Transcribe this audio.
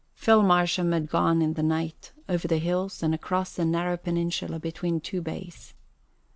Phil Marsham had gone in the night over the hills and across the narrow peninsula between two bays.